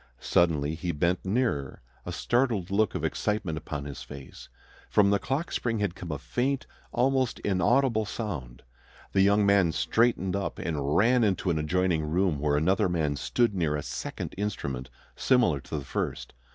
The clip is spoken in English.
Suddenly he bent nearer, a startled look of excitement upon his face. From the clock spring had come a faint, almost inaudible sound. The young man straightened up and ran into an adjoining room, where another man stood near a second instrument similar to the first.